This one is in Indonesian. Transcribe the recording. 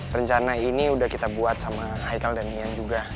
rencana ini udah kita buat sama ichael dan ian juga